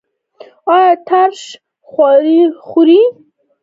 ایا ترش خواړه خورئ؟